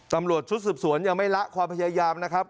ตำรวจชุดสืบสวนยังไม่ละความพยายามนะครับ